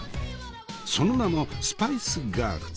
その名もスパイス・ガールズ。